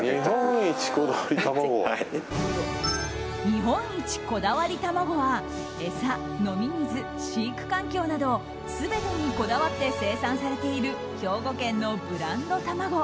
日本一こだわり卵は餌、飲み水、飼育環境など全てにこだわって生産されている兵庫県のブランド卵。